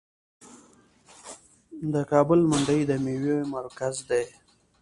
د کابل منډوي د میوو مرکز دی.